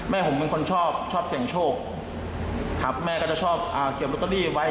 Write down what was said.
แม่ผมเป็นคนชอบเสี่ยงโชคแม่ก็จะชอบเก็บโรตเตอรี่ไว้